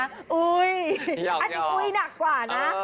พี่หยอกที่กุยหนักกว่าน่ะ